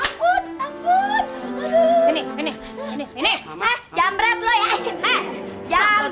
ampun pak gino